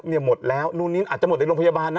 หมดแล้วนู่นอาจจะหมดในโรงพยาบาลนะ